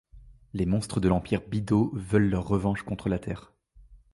Les monstres de l'empire Bydo veulent leur revanche contre la terre.